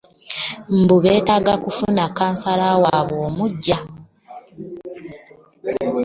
Mbu beetaaga okufuna kkansala waabwe omuggya